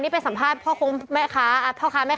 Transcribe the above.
นี่เป็นสัมภาษณ์หากพ่อคุมแม่ค้าอะไรงี้